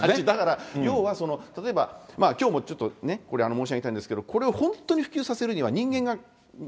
例えば、要はちょっと申し上げたいんですけど、これを本当に普及させるには、人間が日